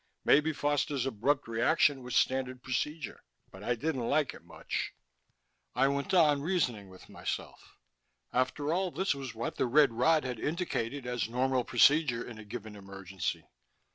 Maybe Foster's abrupt reaction was standard procedure but I didn't like it much. I went on reasoning with myself. After all, this was what the red rod had indicated as normal procedure in a given emergency.